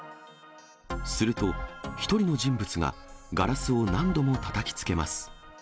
すると、１人の人物が、ガラスを何度もたたきつけます。